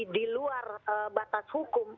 di luar batas hukum